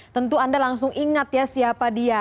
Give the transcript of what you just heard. tentu anda langsung ingat ya siapa dia